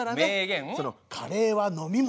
カレーは飲み物。